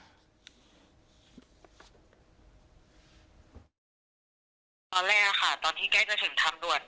ตอนแรกค่ะตอนที่ใกล้จะถึงทางด่วน